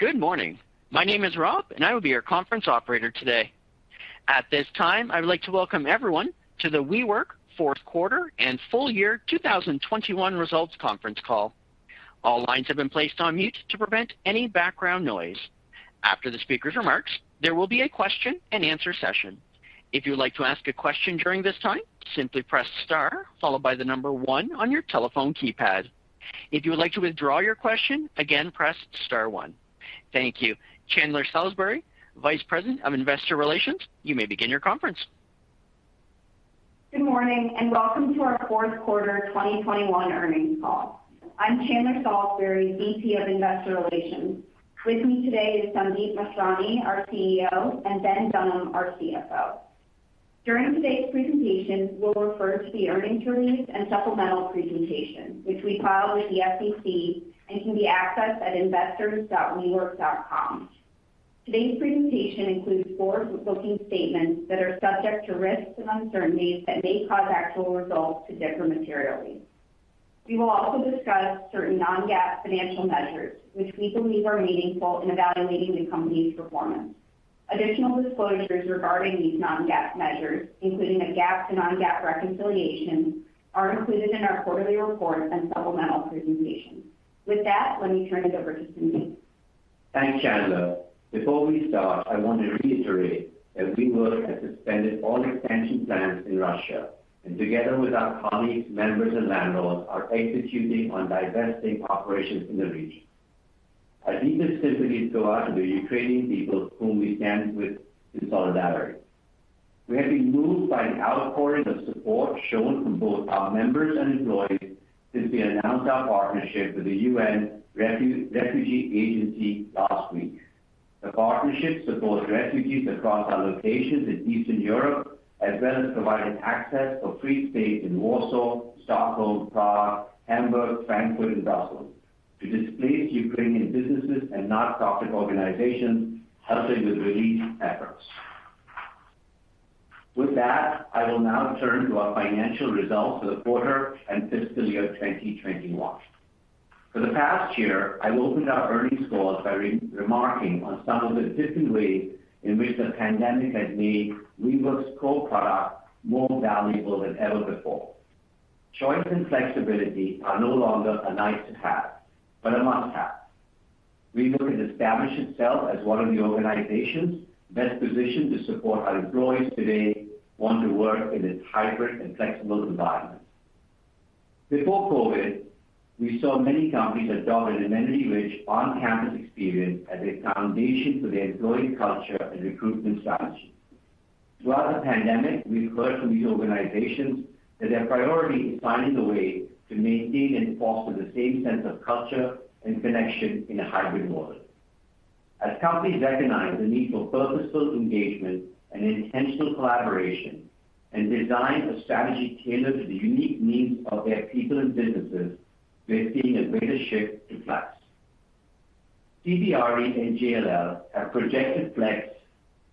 Good morning. My name is Rob, and I will be your conference operator today. At this time, I would like to welcome everyone to the WeWork fourth quarter and full-year 2021 results conference call. All lines have been placed on mute to prevent any background noise. After the speaker's remarks, there will be a question-and-answer session. If you would like to ask a question during this time, simply press star followed by the number one on your telephone keypad. If you would like to withdraw your question, again, press star one. Thank you. Chandler Salisbury, Vice President of Investor Relations, you may begin your conference. Good morning, and welcome to our fourth quarter 2021 earnings call. I'm Chandler Salisbury, VP of Investor Relations. With me today is Sandeep Mathrani, our CEO, and Ben Dunham, our CFO. During today's presentation, we'll refer to the earnings release and supplemental presentation, which we filed with the SEC and can be accessed at investors.wework.com. Today's presentation includes forward-looking statements that are subject to risks and uncertainties that may cause actual results to differ materially. We will also discuss certain non-GAAP financial measures, which we believe are meaningful in evaluating the company's performance. Additional disclosures regarding these non-GAAP measures, including a GAAP to non-GAAP reconciliation, are included in our quarterly report and supplemental presentation. With that, let me turn it over to Sandeep. Thanks, Chandler. Before we start, I want to reiterate that WeWork has suspended all expansion plans in Russia, and together with our colleagues, members, and landlords, are executing on divesting operations in the region. Our deepest sympathies go out to the Ukrainian people whom we stand with in solidarity. We have been moved by an outpouring of support shown from both our members and employees since we announced our partnership with the UN Refugee Agency last week. The partnership supports refugees across our locations in Eastern Europe, as well as providing access for free space in Warsaw, Stockholm, Prague, Hamburg, Frankfurt, and Düsseldorf to displaced Ukrainian businesses and nonprofit organizations helping with relief efforts. With that, I will now turn to our financial results for the quarter and FY21. For the past year, I've opened our earnings calls by re-remarking on some of the different ways in which the pandemic has made WeWork's core product more valuable than ever before. Choice and flexibility are no longer a nice to have, but a must-have. WeWork has established itself as one of the organizations best positioned to support our employees today want to work in this hybrid and flexible environment. Before COVID, we saw many companies adopt an amenity-rich on-campus experience as a foundation for their employee culture and recruitment strategy. Throughout the pandemic, we've heard from these organizations that their priority is finding a way to maintain and foster the same sense of culture and connection in a hybrid model. As companies recognize the need for purposeful engagement and intentional collaboration and design a strategy tailored to the unique needs of their people and businesses, we're seeing a greater shift to flex. CBRE and JLL have projected flex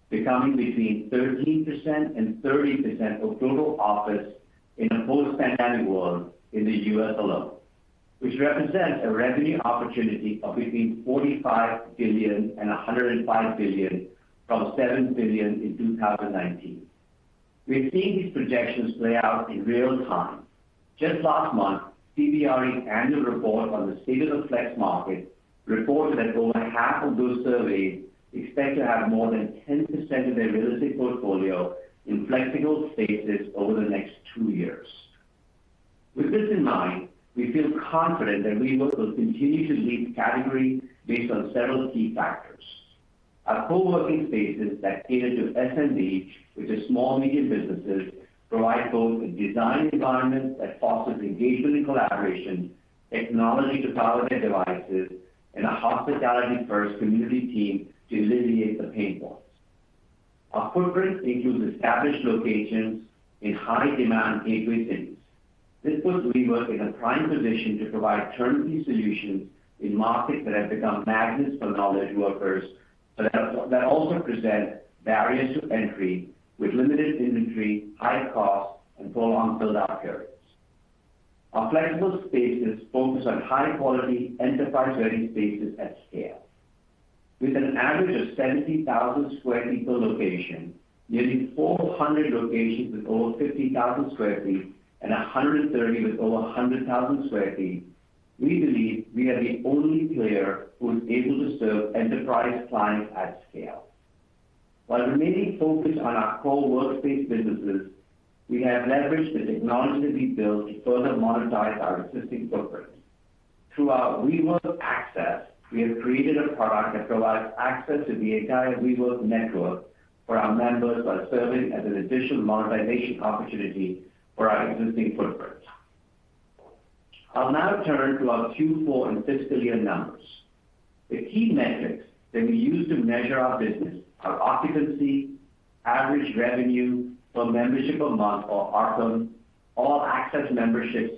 becoming between 13% and 30% of total office in a post-pandemic world in the U.S. alone, which represents a revenue opportunity of between $45 billion and $105 billion from $7 billion in 2019. We've seen these projections play out in real time. Just last month, CBRE annual report on the state of the flex market reported that over half of those surveyed expect to have more than 10% of their real estate portfolio in flexible spaces over the next two years. With this in mind, we feel confident that WeWork will continue to lead the category based on several key factors. Our coworking spaces that cater to SMB, which is small medium businesses, provide both a design environment that fosters engagement and collaboration, technology to power their devices, and a hospitality-first community team to alleviate the pain points. Our footprint includes established locations in high demand gateway cities. This puts WeWork in a prime position to provide turnkey solutions in markets that have become magnets for knowledge workers that also present barriers to entry with limited inventory, high costs, and prolonged build-out periods. Our flexible spaces focus on high-quality enterprise-ready spaces at scale. With an average of 70,000 sq ft per location, nearly 400 locations with over 50,000 sq ft and 130 with over 100,000 sq ft, we believe we are the only player who is able to serve enterprise clients at scale. While remaining focused on our core workspace businesses, we have leveraged the technology that we built to further monetize our existing footprint. Through our WeWork Access, we have created a product that provides access to the entire WeWork Network for our members while serving as an additional monetization opportunity for our existing footprint. I'll now turn to our Q4 and fiscal year numbers. The key metrics that we use to measure our business are occupancy, average revenue for membership a month or ARPM, All Access memberships,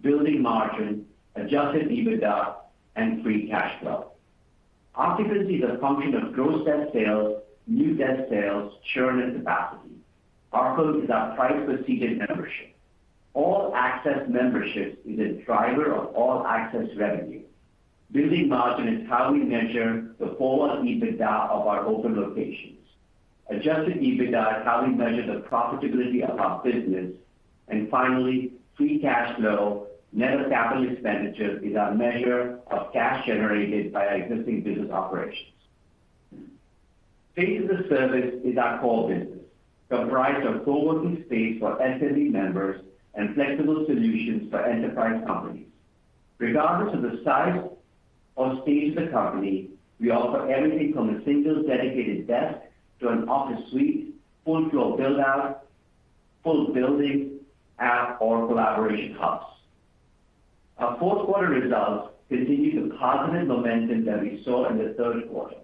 building margin, Adjusted EBITDA and free cash flow. Occupancy is a function of gross net sales, new net sales, churn and capacity. ARPM is our price per seated membership. All Access memberships is a driver of All Access revenue. Building margin is how we measure the full EBITDA of our open locations. Adjusted EBITDA is how we measure the profitability of our business. Finally, free cash flow. Net capital expenditures is our measure of cash generated by our existing business operations. Space as a Service is our core business, comprised of co-working space for SMB members and flexible solutions for enterprise companies. Regardless of the size or stage of the company, we offer everything from a single dedicated desk to an office suite, full floor build out, full building, app, or collaboration hubs. Our fourth quarter results continued the positive momentum that we saw in the third quarter.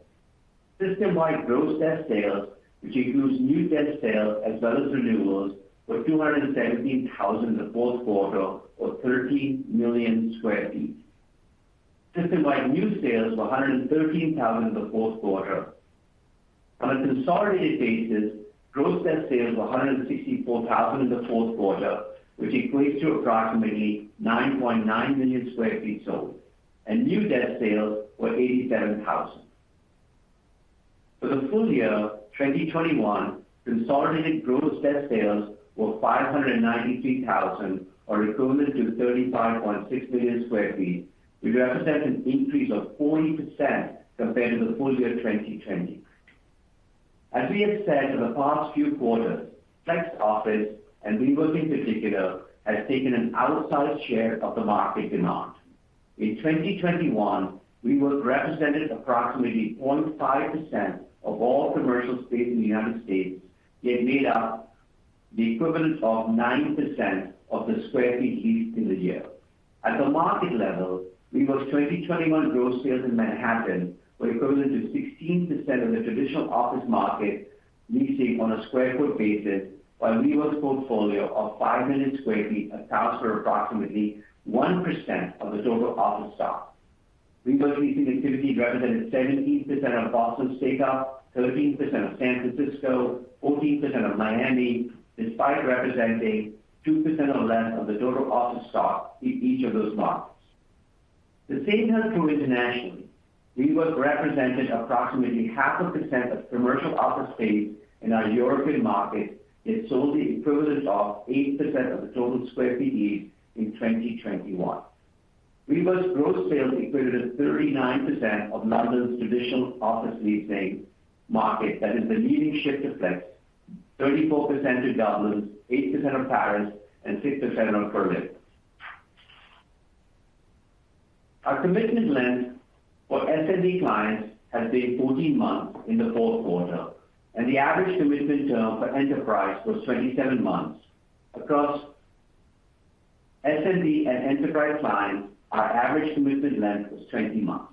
System-wide gross desk sales, which includes new desk sales as well as renewals, were 217,000 in the fourth quarter, or 13 million sq ft. System-wide new sales were 113,000 in the fourth quarter. On a consolidated basis, gross desk sales were 164,000 in the fourth quarter, which equates to approximately 9.9 million sq ft sold, and new desk sales were 87,000. For the full-year 2021, consolidated gross desk sales were 593,000, or equivalent to 35.6 million sq ft, which represents an increase of 40% compared to the full-year 2020. As we have said in the past few quarters, flex office, and WeWork in particular, has taken an outsized share of the market demand. In 2021, WeWork represented approximately 0.5% of all commercial space in the United States, yet made up the equivalent of 9% of the square feet leased in the year. At the market level, WeWork's 2021 gross sales in Manhattan were equivalent to 16% of the traditional office market leasing on a square foot basis, while WeWork's portfolio of 5 million sq ft accounts for approximately 1% of the total office stock. WeWork leasing activity represented 17% of Boston's take-up, 13% of San Francisco, 14% of Miami, despite representing 2% or less of the total office stock in each of those markets. The same held true internationally. WeWork represented approximately 0.5% of commercial office space in our European markets, yet sold the equivalent of 8% of the total square feet leased in 2021. WeWork's gross sales equated to 39% of London's traditional office leasing market that is the leading shift to flex, 34% to Dublin, 8% of Paris, and 6% of Berlin. Our commitment length for SMB clients has been 14 months in the fourth quarter, and the average commitment term for enterprise was 27 months. Across SMB and enterprise clients, our average commitment length was 20 months.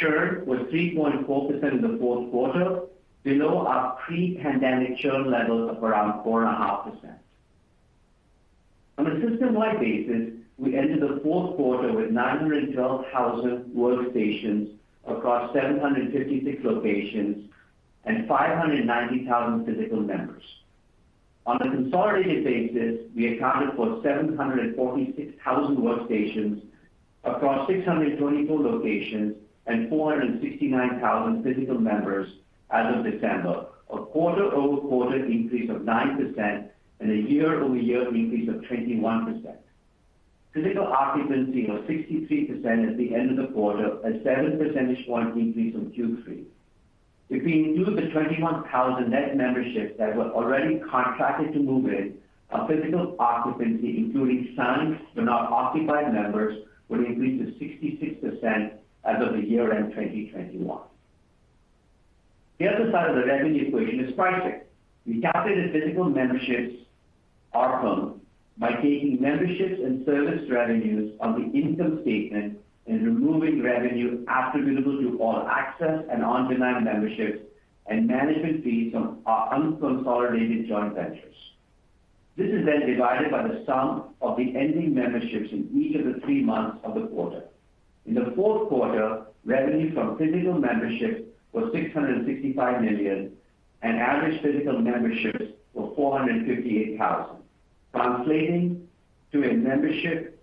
Churn was 3.4% in the fourth quarter, below our pre-pandemic churn levels of around 4.5%. On a system-wide basis, we ended the fourth quarter with 912,000 workstations across 756 locations and 590,000 physical members. On a consolidated basis, we accounted for 746,000 workstations across 624 locations and 469,000 physical members as of December. A quarter-over-quarter increase of 9% and a year-over-year increase of 21%. Physical occupancy was 63% at the end of the quarter, a 7 percentage point increase from Q3. If we include the 21,000 net memberships that were already contracted to move in, our physical occupancy, including signed but not occupied members, would increase to 66% as of the year end 2021. The other side of the revenue equation is pricing. We calculated physical memberships ARPM by taking memberships and service revenues on the income statement and removing revenue attributable to All Access and on-demand memberships and management fees from our unconsolidated joint ventures. This is then divided by the sum of the ending memberships in each of the three months of the quarter. In the fourth quarter, revenue from physical memberships was $665 million, and average physical memberships were 458,000. Translating to a membership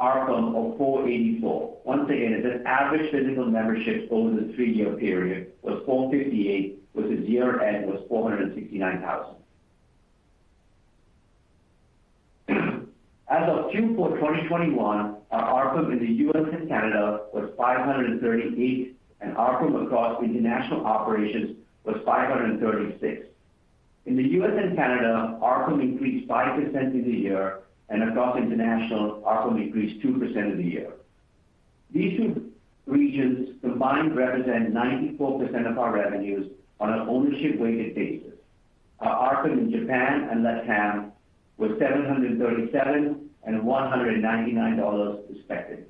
ARPM of $484. Once again, the average physical memberships over the three-year period was 458, with the year-end was 469,000. As of Q4 2021, our ARPM in the U.S. and Canada was $538, and ARPM across international operations was $536. In the U.S. and Canada, ARPM increased 5% year-over-year, and across international, ARPM increased 2% year-over-year. These two regions combined represent 94% of our revenues on an ownership-weighted basis. Our ARPM in Japan and LatAm was $737 and $199, respectively.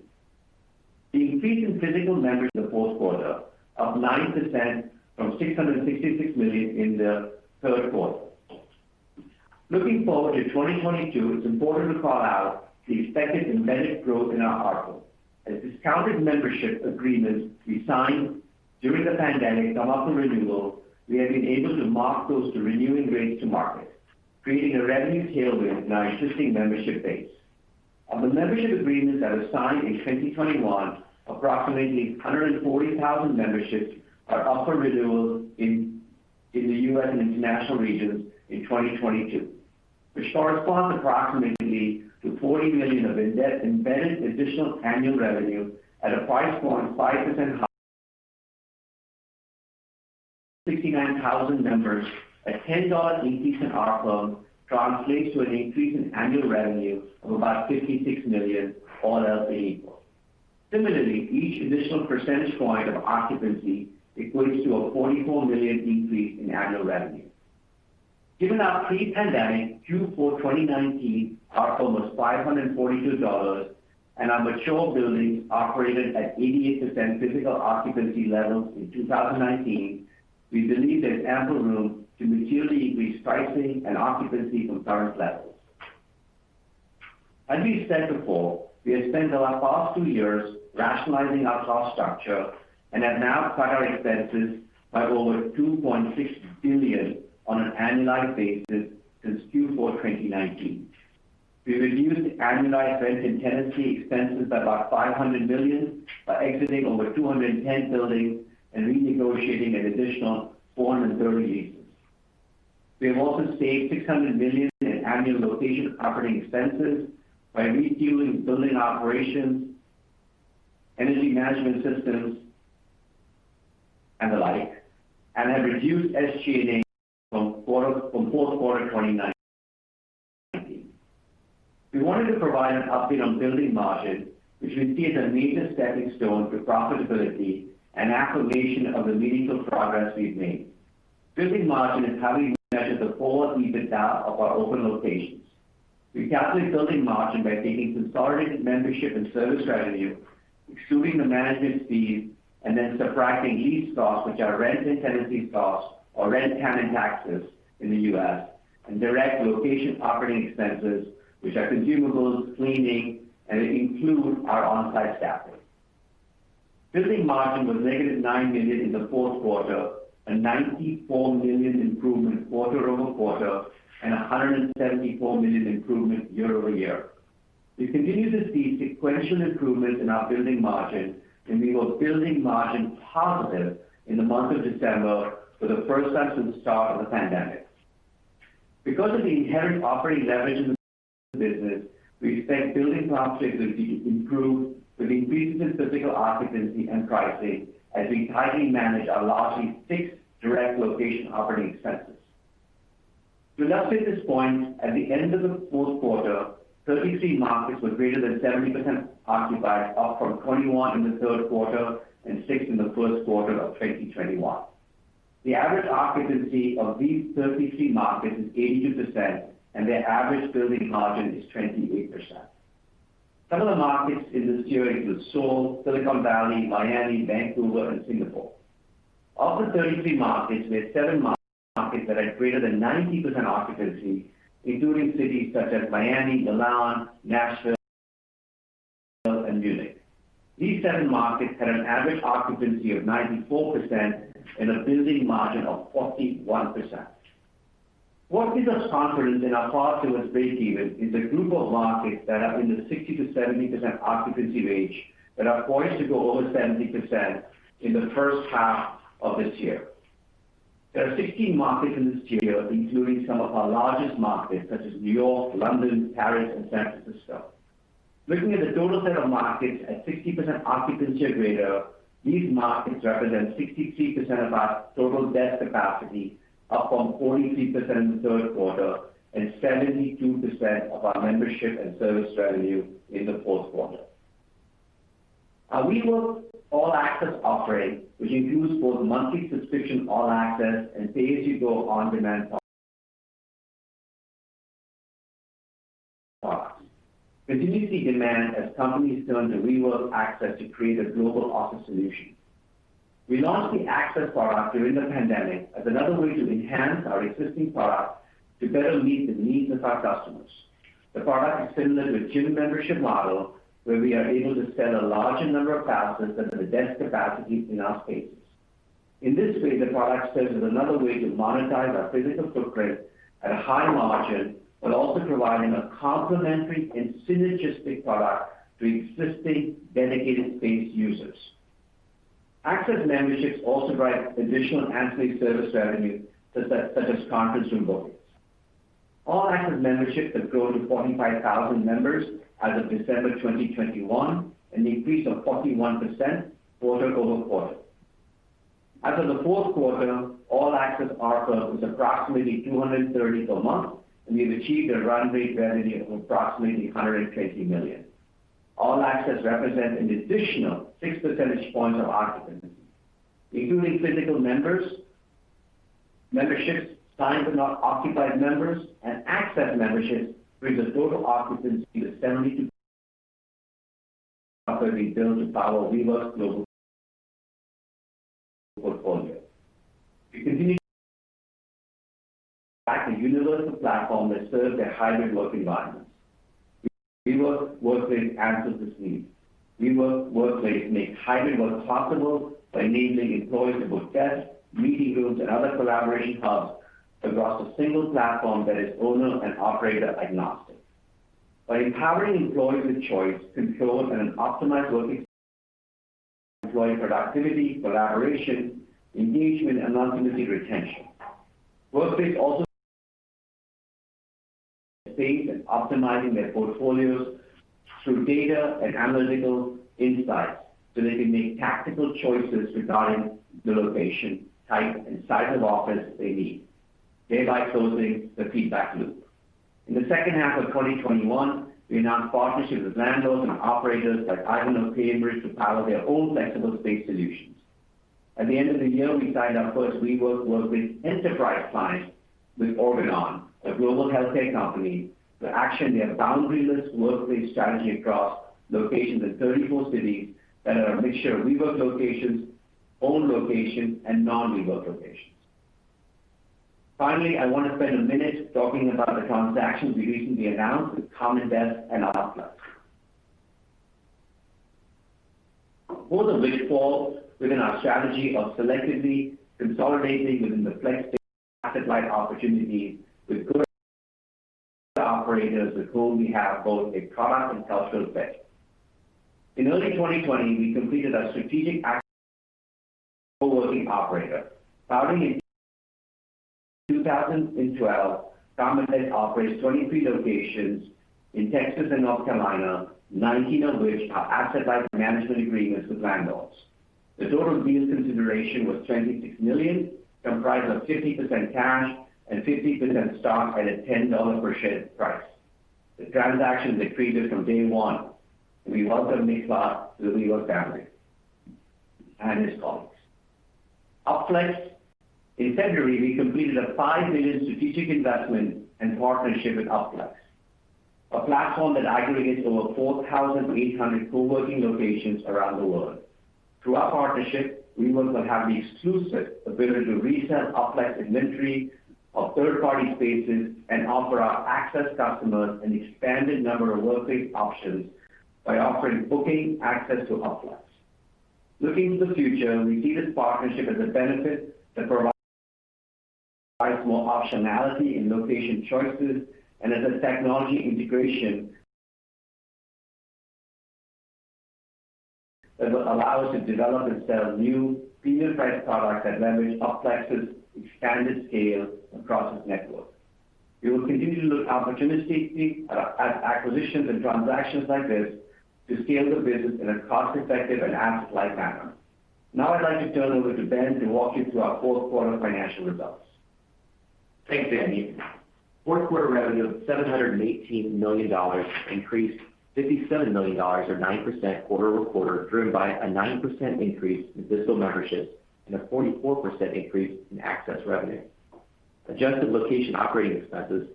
The increase in physical members in the fourth quarter of 9% from 666 thousand in the third quarter. Looking forward to 2022, it's important to call out the expected embedded growth in our ARPM. As discounted membership agreements we signed during the pandemic come up for renewal, we have been able to mark those to renewing rates to market, creating a revenue tailwind in our existing membership base. Of the membership agreements that were signed in 2021, approximately 140,000 memberships are up for renewal in the U.S. and international regions in 2022, which corresponds approximately to $40 million of embedded additional annual revenue at a price point 5% high. 69,000 members, a $10 increase in ARPM translates to an increase in annual revenue of about $56 million, all else being equal. Similarly, each additional percentage point of occupancy equates to a $44 million increase in annual revenue. Given our pre-pandemic Q4 2019, ARPM was $542, and our mature buildings operated at 88% physical occupancy levels in 2019, we believe there's ample room to materially increase pricing and occupancy from current levels. As we've said before, we have spent the last two years rationalizing our cost structure and have now cut our expenses by over $2.6 billion on an annualized basis since Q4 2019. We reduced annualized rent and tenancy expenses by about $500 million by exiting over 210 buildings and renegotiating an additional 430 leases. We have also saved $600 million in annual location operating expenses by reviewing building operations, energy management systems, and the like, and have reduced SG&A from fourth quarter 2019. We wanted to provide an update on building margin, which we see as a major stepping stone to profitability and affirmation of the meaningful progress we've made. Building margin is how we measure the core EBITDA of our open locations. We calculate building margin by taking consolidated membership and service revenue, excluding the management fees, and then subtracting lease costs, which are rent and tenancy costs, or rent and taxes in the U.S., and direct location operating expenses, which are consumables, cleaning, and it includes our on-site staffing. Building margin was negative $9 million in the fourth quarter, a $94 million improvement quarter-over-quarter and a $174 million improvement year-over-year. We continue to see sequential improvements in our building margin, and we were building margin positive in the month of December for the first time since the start of the pandemic. Because of the inherent operating leverage in the business, we expect building profitability to improve with increases in physical occupancy and pricing as we tightly manage our largely fixed direct location operating expenses. To illustrate this point, at the end of the fourth quarter, 33 markets were greater than 70% occupied, up from 21 in the third quarter and six in the first quarter of 2021. The average occupancy of these 33 markets is 82%, and their average building margin is 28%. Some of the markets in this series were Seoul, Silicon Valley, Miami, Vancouver, and Singapore. Of the 33 markets, we had seven markets that had greater than 90% occupancy, including cities such as Miami, Milan, Nashville, and Munich. These seven markets had an average occupancy of 94% and a building margin of 41%. What gives us confidence in our path to a breakeven is a group of markets that are in the 60%-70% occupancy range that are poised to go over 70% in the first half of this year. There are 16 markets in this tier, including some of our largest markets such as New York, London, Paris and San Francisco. Looking at the total set of markets at 60% occupancy or greater, these markets represent 63% of our total desk capacity, up from 43% in the third quarter and 72% of our membership and service revenue in the fourth quarter. Our WeWork All Access offering, which includes both monthly subscription All Access and pay-as-you-go on-demand products we continue to see demand as companies turn to WeWork Access to create a global office solution. We launched the All Access product during the pandemic as another way to enhance our existing product to better meet the needs of our customers. The product is similar to a gym membership model, where we are able to sell a larger number of passes than the desk capacity in our spaces. In this way, the product serves as another way to monetize our physical footprint at a high margin, but also providing a complementary and synergistic product to existing dedicated space users. All Access memberships also drive additional ancillary service revenue, such as conference room bookings. All Access memberships have grown to 45,000 members as of December 2021, an increase of 41% quarter-over-quarter. As of the fourth quarter, All Access ARPM is approximately $230 million per month, and we have achieved a run rate revenue of approximately $120 million. All Access represents an additional six percentage points of occupancy. Including physical members, memberships, signed but not occupied members, and Access memberships brings the total occupancy to 72%. As we build the power of WeWork's global portfolio, we continue to build a universal platform that serves their hybrid work environments. WeWork Workplace addresses these needs. WeWork Workplace makes hybrid work possible by enabling employees to book desks, meeting rooms, and other collaboration hubs across a single platform that is owner- and operator-agnostic. By empowering employees with choice, controls, and an optimized work environment, enhancing employee productivity, collaboration, engagement, and ultimately, retention. Workplace also saving and optimizing their portfolios through data and analytical insights so they can make tactical choices regarding the location, type, and size of office they need, thereby closing the feedback loop. In the second half of 2021, we announced partnerships with landlords and operators like Ivanhoé Cambridge to power their own flexible space solutions. At the end of the year, we signed our first WeWork Workplace enterprise client with Organon, a global healthcare company, to action their boundaryless workplace strategy across locations in 34 cities that are a mixture of WeWork locations, owned locations, and non-WeWork locations. Finally, I want to spend a minute talking about the transactions we recently announced with Common Desk and Upflex. Both of which fall within our strategy of selectively consolidating within the flex space asset-light opportunities with good operators with whom we have both a product and cultural fit. In early 2020, we completed our strategic acquisition working operator. Founded in 2012, Common Desk operates 23 locations in Texas and North Carolina, 19 of which are asset-light management agreements with landlords. The total deal consideration was $26 million, comprised of 50% cash and 50% stock at a $10 per share price. The transaction is accretive from day one. We welcome Nick Clark to the WeWork family, and his colleagues. Upflex. In February, we completed a $5 million strategic investment and partnership with Upflex, a platform that aggregates over 4,800 coworking locations around the world. Through our partnership, WeWork will have the exclusive ability to resell Upflex inventory of third-party spaces and offer our access customers an expanded number of workplace options by offering booking access to Upflex. Looking to the future, we see this partnership as a benefit that provides more optionality in location choices and as a technology integration that will allow us to develop and sell new premium priced products that leverage Upflex's expanded scale across its network. We will continue to look opportunistically at acquisitions and transactions like this to scale the business in a cost-effective and asset-light manner. Now, I'd like to turn it over to Ben to walk you through our fourth quarter financial results. Thanks, Sandeep. Fourth quarter revenue of $718 million increased $57 million or 9% quarter-over-quarter, driven by a 9% increase in digital memberships and a 44% increase in access revenue. Adjusted location operating expenses,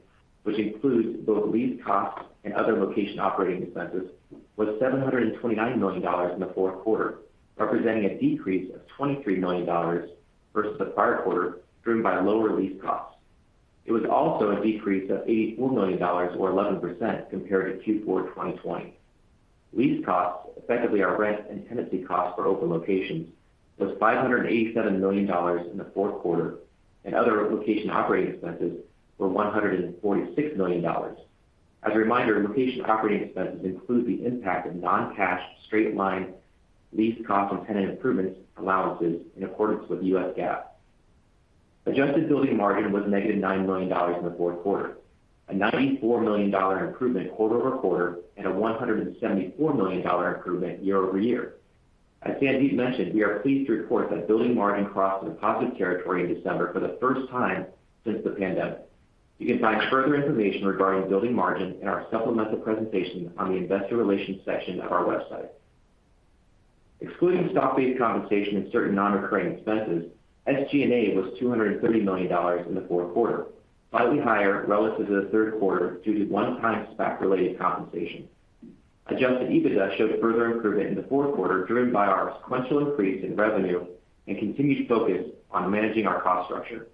which includes both lease costs and other location operating expenses, was $729 million in the fourth quarter, representing a decrease of $23 million versus the prior quarter, driven by lower lease costs. It was also a decrease of $84 million or 11% compared to Q4 2020. Lease costs, effectively our rent and tenancy costs for open locations, was $587 million in the fourth quarter, and other location operating expenses were $146 million. As a reminder, location operating expenses include the impact of non-cash straight-line lease cost on tenant improvements allowances in accordance with US GAAP. Adjusted building margin was negative $9 million in the fourth quarter, a $94 million improvement quarter-over-quarter and a $174 million improvement year-over-year. As Sandeep mentioned, we are pleased to report that building margin crossed into positive territory in December for the first time since the pandemic. You can find further information regarding building margin in our supplemental presentation on the Investor Relations section of our website. Excluding stock-based compensation and certain non-recurring expenses, SG&A was $230 million in the fourth quarter, slightly higher relative to the third quarter due to one-time SPAC-related compensation. Adjusted EBITDA showed further improvement in the fourth quarter, driven by our sequential increase in revenue and continued focus on managing our cost structure.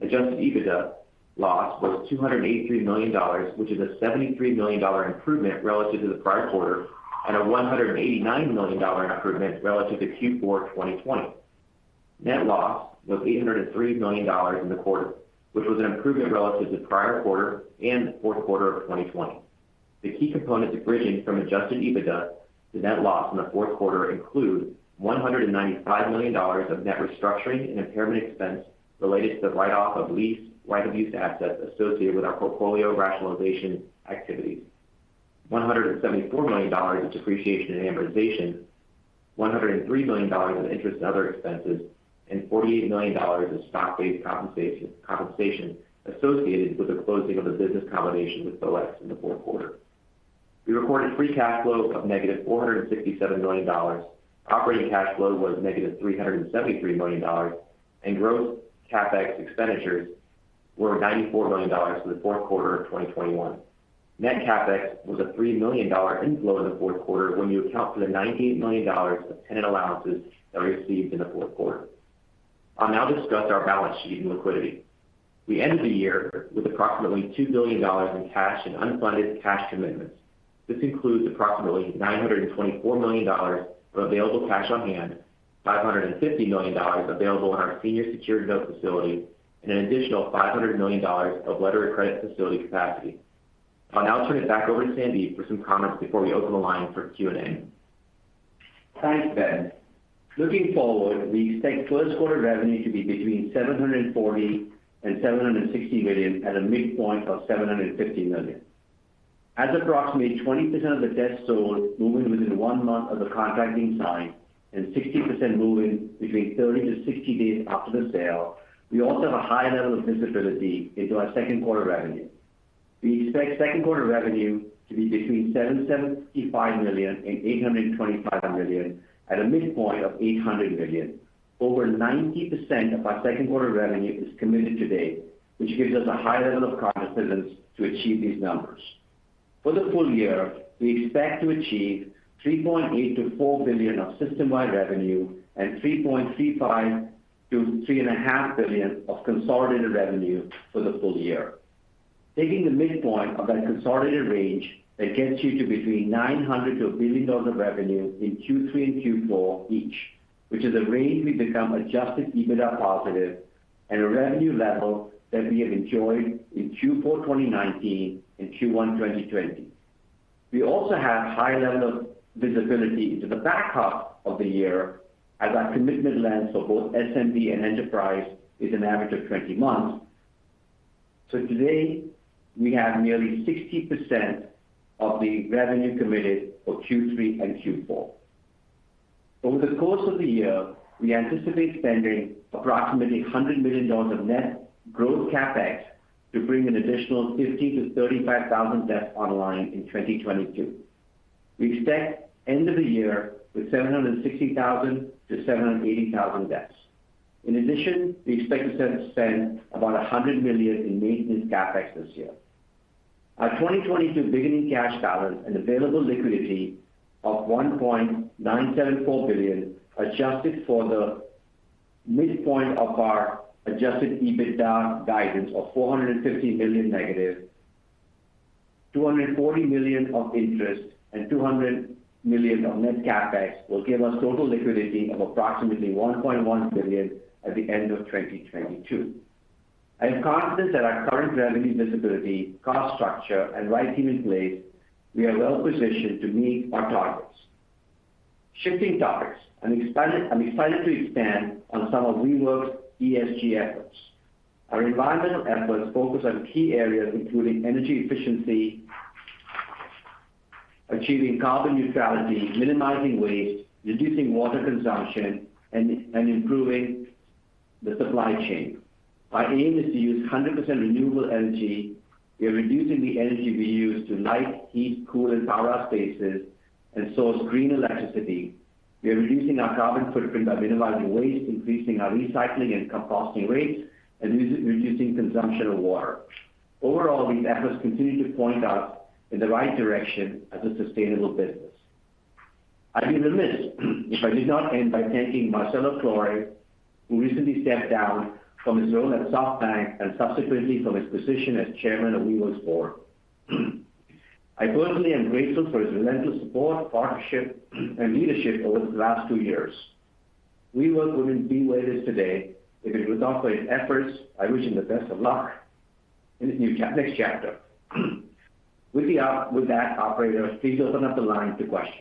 Adjusted EBITDA loss was $283 million, which is a $73 million improvement relative to the prior quarter and a $189 million improvement relative to Q4 2020. Net loss was $803 million in the quarter, which was an improvement relative to the prior quarter and the fourth quarter of 2020. The key components bridging from Adjusted EBITDA to net loss in the fourth quarter include $195 million of net restructuring and impairment expense related to the write off of lease right of use assets associated with our portfolio rationalization activities. $174 million in depreciation and amortization, $103 million in interest and other expenses, and $48 million in stock-based compensation associated with the closing of the business combination with The Wing in the fourth quarter. We recorded free cash flow of -$467 million. Operating cash flow was -$373 million. Gross CapEx expenditures were $94 million for the fourth quarter of 2021. Net CapEx was a $3 million inflow in the fourth quarter when you account for the $98 million of tenant allowances that were received in the fourth quarter. I'll now discuss our balance sheet and liquidity. We ended the year with approximately $2 billion in cash and unfunded cash commitments. This includes approximately $924 million of available cash on hand, $550 million available in our senior secured note facility, and an additional $500 million of letter of credit facility capacity. I'll now turn it back over to Sandeep for some comments before we open the line for Q&A. Thanks, Ben. Looking forward, we expect first quarter revenue to be between $740 million and $760 million at a midpoint of $750 million. As approximately 20% of the desks sold moving within one month of the contract signing and 60% moving between 30 to 60 days after the sale, we also have a high level of visibility into our second quarter revenue. We expect second quarter revenue to be between $775 million and $825 million at a midpoint of $800 million. Over 90% of our second quarter revenue is committed today, which gives us a high level of confidence to achieve these numbers. For the full-year, we expect to achieve $3.8 billion-$4 billion of system-wide revenue and $3.35 billion-$3.5 billion of consolidated revenue for the full-year. Taking the midpoint of that consolidated range, that gets you to between $900 million to $1 billion of revenue in Q3 and Q4 each, which is a range we become Adjusted EBITDA positive and a revenue level that we have enjoyed in Q4 2019 and Q1 2020. We also have high level of visibility into the back half of the year as our commitment length for both SMB and enterprise is an average of 20 months. Today, we have nearly 60% of the revenue committed for Q3 and Q4. Over the course of the year, we anticipate spending approximately $100 million of net growth CapEx to bring an additional 50,000-75,000 desks online in 2022. We expect to end the year with 760,000-780,000 desks. In addition, we expect to spend about $100 million in maintenance CapEx this year. Our 2022 beginning cash balance and available liquidity of $1.974 billion, adjusted for the midpoint of our Adjusted EBITDA guidance of negative $450 million, $240 million of interest, and $200 million of net CapEx, will give us total liquidity of approximately $1.1 billion at the end of 2022. I am confident that our current revenue visibility, cost structure, and the right team in place, we are well positioned to meet our targets. Shifting topics, I'm excited to expand on some of WeWork's ESG efforts. Our environmental efforts focus on key areas, including energy efficiency, achieving carbon neutrality, minimizing waste, reducing water consumption, and improving the supply chain. Our aim is to use 100% renewable energy. We are reducing the energy we use to light, heat, cool, and power our spaces and source green electricity. We are reducing our carbon footprint by minimizing waste, increasing our recycling and composting rates, and reducing consumption of water. Overall, these efforts continue to point us in the right direction as a sustainable business. I'd be remiss if I did not end by thanking Marcelo Claure, who recently stepped down from his role at SoftBank and subsequently from his position as Chairman of WeWork's board. I personally am grateful for his relentless support, partnership, and leadership over the last two years. WeWork wouldn't be where it is today if it was not for his efforts. I wish him the best of luck in his next chapter. With that, operator, please open up the line to questions.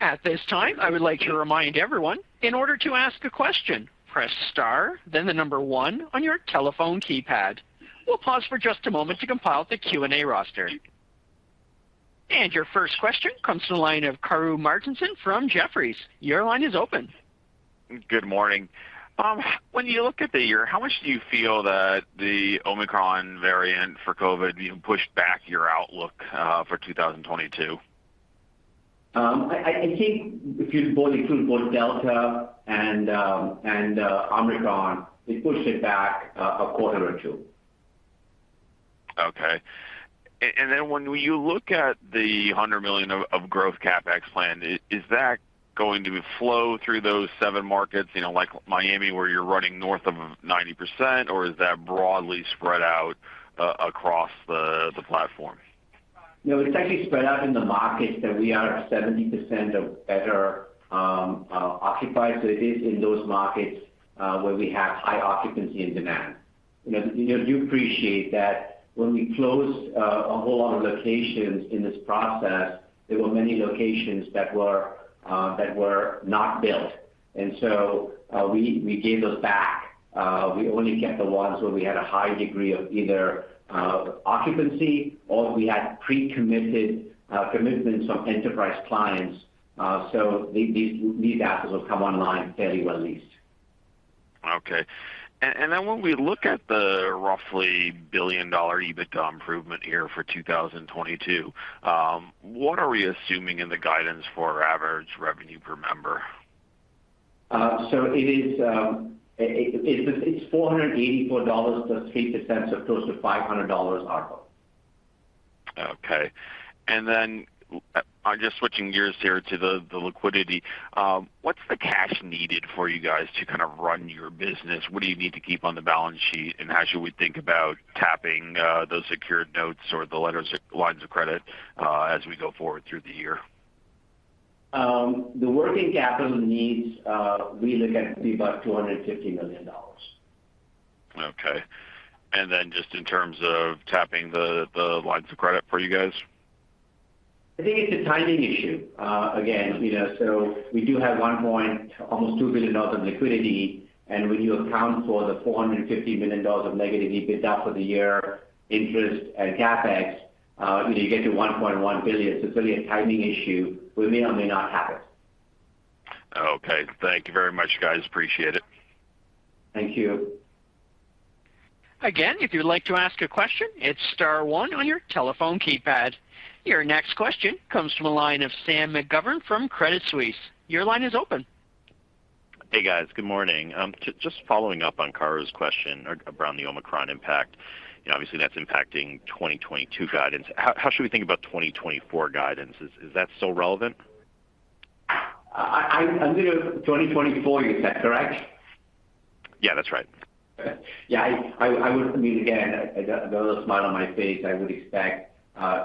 At this time, I would like to remind everyone, in order to ask a question, press star then the number one on your telephone keypad. We'll pause for just a moment to compile the Q&A roster. Your first question comes to the line of Karru Martinson from Jefferies. Your line is open. Good morning. When you look at the year, how much do you feel that the Omicron variant for COVID even pushed back your outlook for 2022? I think if you include both Delta and Omicron, it pushed it back a quarter or two. Okay. When you look at the $100 million of growth CapEx plan, is that going to flow through those seven markets, you know, like Miami, where you're running north of 90%, or is that broadly spread out across the platforms? No, it's actually spread out in the markets that we are at 70% or better occupied. It is in those markets where we have high occupancy and demand. You know, you appreciate that when we closed a whole lot of locations in this process, there were many locations that were not built. We gave those back. We only kept the ones where we had a high degree of either occupancy or we had pre-committed commitments from enterprise clients. These assets will come online fairly well leased. When we look at a roughly $1 billion EBITDA improvement here for 2022, what are we assuming in the guidance for average revenue per member? It's $484.08, close to $500 RO. Okay. Just switching gears here to the liquidity. What's the cash needed for you guys to kind of run your business? What do you need to keep on the balance sheet? How should we think about tapping those secured notes or the lines of credit as we go forward through the year? The working capital needs we look at to be about $250 million. Okay. Just in terms of tapping the lines of credit for you guys. I think it's a timing issue. Again, you know, so we do have almost $2 billion of liquidity. When you account for the $450 million of negative EBITDA for the year, interest and CapEx, you know, you get to $1.1 billion. It's really a timing issue. We may or may not tap it. Okay. Thank you very much, guys. Appreciate it. Thank you. Again, if you'd like to ask a question, it's star one on your telephone keypad. Your next question comes from the line of Sam McGovern from Credit Suisse. Your line is open. Hey, guys. Good morning. Just following up on Karru's question around the Omicron impact. You know, obviously, that's impacting 2022 guidance. How should we think about 2024 guidance? Is that still relevant? I'm hearing 2024, you said, correct? Yeah, that's right. Yeah, I would. I mean, again, I got a little smile on my face. I would expect,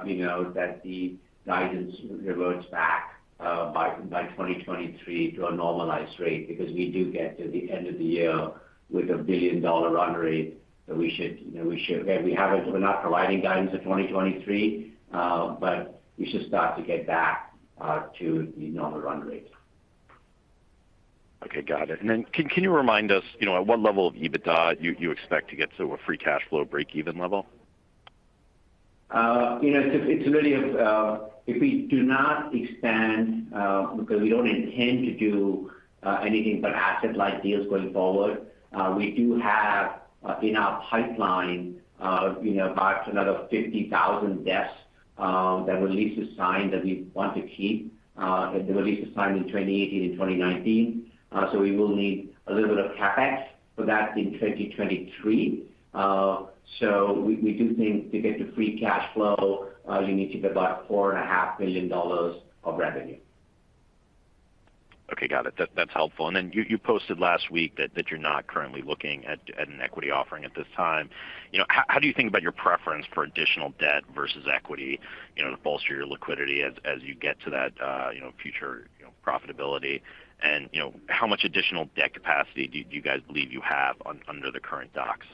you know, that the guidance reverts back by 2023 to a normalized rate because we do get to the end of the year with a $1 billion run rate that we should, you know. Again, we're not providing guidance for 2023, but we should start to get back to the normal run rate. Okay, got it. Can you remind us, you know, at what level of EBITDA you expect to get to a free cash flow breakeven level? You know, it's really if we do not expand because we don't intend to do anything but asset-light deals going forward, we do have in our pipeline you know about another 50,000 desks that were leased or signed that we want to keep that were leased or signed in 2018 and 2019. So we will need a little bit of CapEx for that in 2023. So we do think to get to free cash flow you need to get about $4.5 billion of revenue. Okay, got it. That's helpful. You posted last week that you're not currently looking at an equity offering at this time. You know, how do you think about your preference for additional debt versus equity, you know, to bolster your liquidity as you get to that, you know, future, you know, profitability? You know, how much additional debt capacity do you guys believe you have under the current docs?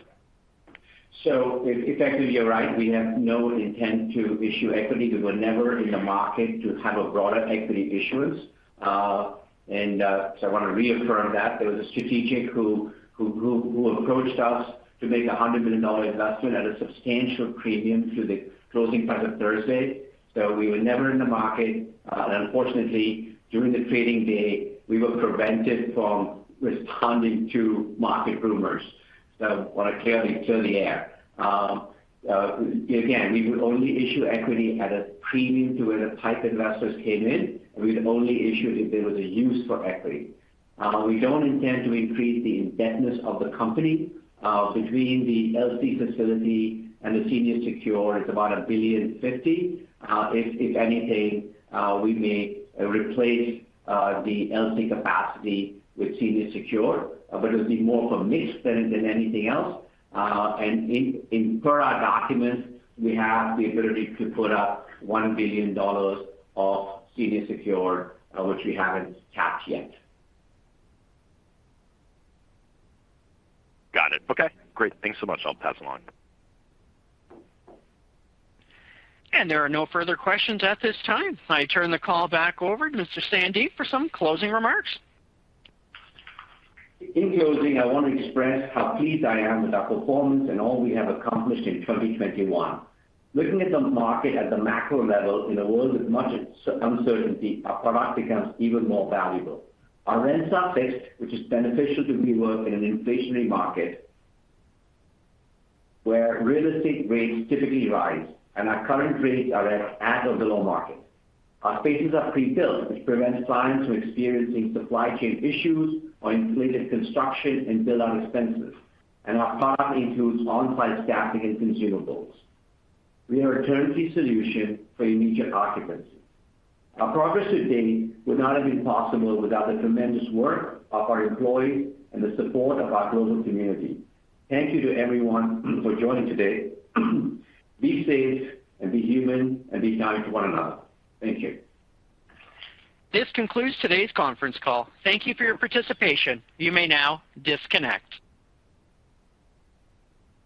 Effectively, you're right. We have no intent to issue equity. We were never in the market to have a broader equity issuance. I want to reaffirm that. There was a strategic investor who approached us to make a $100 million investment at a substantial premium to the closing price of Thursday. We were never in the market. Unfortunately, during the trading day, we were prevented from responding to market rumors. We want to clear the air. Again, we would only issue equity at a premium to where the right type of investors came in, and we'd only issue it if there was a use for equity. We don't intend to increase the indebtedness of the company. Between the LC facility and the senior secured, it's about $1.05 billion. If anything, we may replace the LC capacity with senior secured, but it would be more for mix than anything else. As per our documents, we have the ability to put up $1 billion of senior secured, which we haven't tapped yet. Got it. Okay. Great. Thanks so much. I'll pass along. There are no further questions at this time. I turn the call back over to Mr. Sandeep for some closing remarks. In closing, I want to express how pleased I am with our performance and all we have accomplished in 2021. Looking at the market at the macro level in a world with much uncertainty, our product becomes even more valuable. Our rents are fixed, which is beneficial to WeWork in an inflationary market, where real estate rates typically rise, and our current rates are at or below market. Our spaces are pre-built, which prevents clients from experiencing supply chain issues or inflated construction and build-out expenses, and our product includes on-site staffing and consumables. We are a turnkey solution for immediate occupancy. Our progress to date would not have been possible without the tremendous work of our employees and the support of our global community. Thank you to everyone for joining today. Be safe and be human and be kind to one another. Thank you. This concludes today's conference call. Thank you for your participation. You may now disconnect.